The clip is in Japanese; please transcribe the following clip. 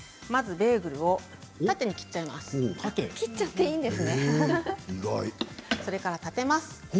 ベーグルを縦に切っちゃいます。